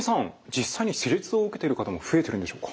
実際に施術を受けてる方も増えてるんでしょうか？